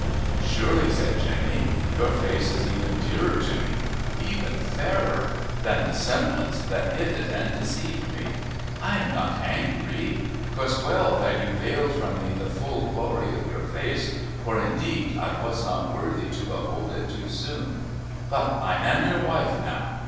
"Surely," said Jenny, "your face is even dearer to me, even fairer, than the semblance that hid it and deceived me. I am not angry. 'Twas well that you veiled from me the full glory of your face, for indeed I was not worthy to behold it too soon. But I am your wife now.